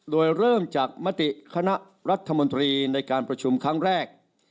โดยเริ่มจากมติคณะรัฐมนตรีในการประชุมครั้งแรก